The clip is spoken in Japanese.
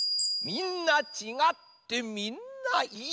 みんなちがってみんないい。